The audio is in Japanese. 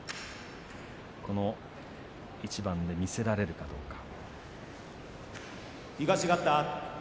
この一番で見せられるかどうか。